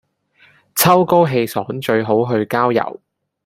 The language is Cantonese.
秋高氣爽最好去郊遊